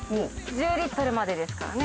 １０リットルまでですからね。